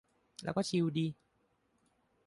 แล้วก็ชิลดี